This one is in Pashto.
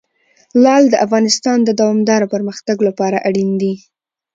لعل د افغانستان د دوامداره پرمختګ لپاره اړین دي.